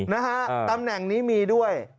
นะฮะตำแหน่งนี้มีด้วย